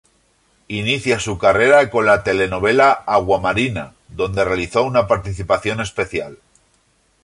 Inicia su carrera con la telenovela "Aguamarina", donde realizó una participación especial.